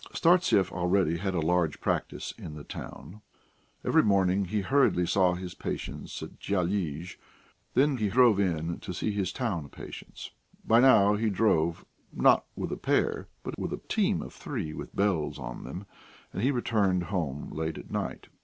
Startsev already had a large practice in the town. Every morning he hurriedly saw his patients at Dyalizh, then he drove in to see his town patients. By now he drove, not with a pair, but with a team of three with bells on them, and he returned home late at night.